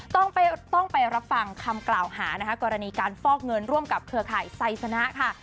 ต้องไปรับฟังคำกล่าวหานะคะกรณีการฟอกเงินร่วมกับเครือข่ายไซสนะค่ะ